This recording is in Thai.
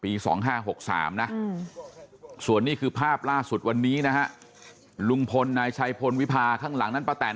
๒๕๖๓นะส่วนนี้คือภาพล่าสุดวันนี้นะฮะลุงพลนายชัยพลวิพาข้างหลังนั้นป้าแตน